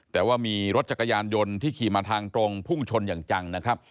แต่ว่ามีรถจักรยานยนต์ที่ขี่มาทางตรงพุ่งชนอย่างจังนะครับ